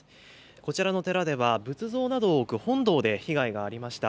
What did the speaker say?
こちらの寺では、仏像などを置く本堂で被害がありました。